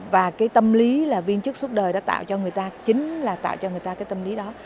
và cái tâm lý là viên chức suốt đời đã tạo cho người ta chính là tạo cho người ta cái tâm lý đó